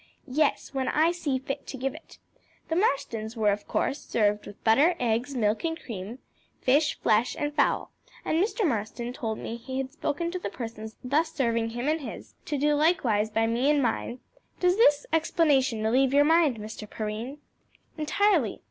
"Yes, when I see fit to give it. The Marstons were, of course, served with butter, eggs, milk and cream, fish, flesh, and fowl, and Mr. Marston told me he had spoken to the persons thus serving him and his to do likewise by me and mine: does this explanation relieve your mind, Mr. Perrine?" "Entirely.